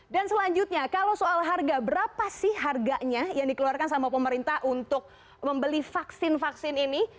dan selanjutnya kalau soal harga berapa sih harganya yang dikeluarkan sama pemerintah untuk membeli vaksin vaksin ini